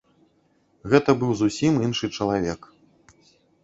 Гэта быў зусім іншы чалавек.